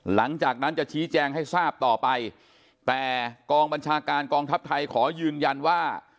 หลังจากนั้นจะชี้แจงให้ทราบต่อไปแต่กองบัญชาการกองทัพไทยขอยืนยันว่า